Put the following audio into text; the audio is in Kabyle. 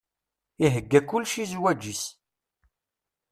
Ihegga kullec i zzwaǧ-is.